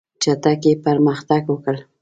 چټکي پرمختګ وکړ.